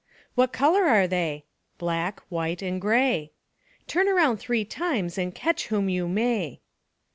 "What colour are they?" "Black, white, and grey." "Turn round three times, and catch whom you may."